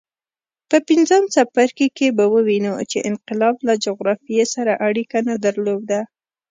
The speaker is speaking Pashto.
په پنځم څپرکي کې به ووینو چې انقلاب له جغرافیې سره اړیکه نه درلوده.